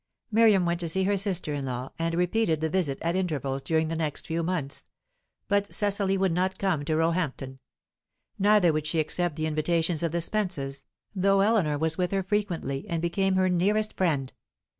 Miriam went to see her sister in law, and repeated the visit at intervals during the next few months; but Cecily would not come to Roehampton. Neither would she accept the invitations of the Spences, though Eleanor was with her frequently, and became her nearest friend.